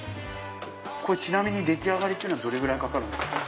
ちなみに出来上がりっていうのはどれぐらいかかるんですか？